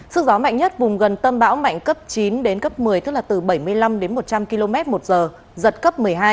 sức gió mạnh nhất vùng gần tâm bão mạnh cấp chín đến cấp một mươi tức là từ bảy mươi năm đến một trăm linh km một giờ giật cấp một mươi hai